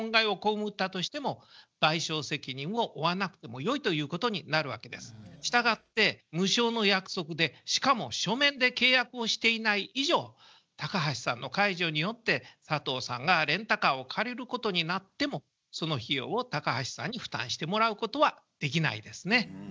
そして預かる側の負担を軽くする結果したがって無償の約束でしかも書面で契約をしていない以上高橋さんの解除によって佐藤さんがレンタカーを借りることになってもその費用を高橋さんに負担してもらうことはできないですね。